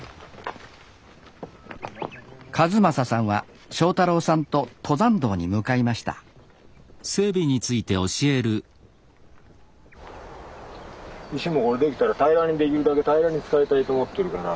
一正さんは正太郎さんと登山道に向かいました石もこれできたら平らにできるだけ平らに使いたいと思ってるから。